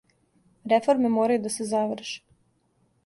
Реформе морају да се заврше.